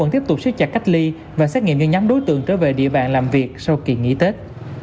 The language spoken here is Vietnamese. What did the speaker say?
tiếp tục siêu chặt cách ly và xét nghiệm những nhóm đối tượng trở về địa bàn làm việc sau kỳ nghỉ tết